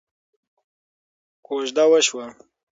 کوژده وشوه.